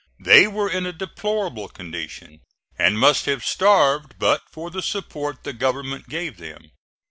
They were in a deplorable condition and must have starved but for the support the government gave them.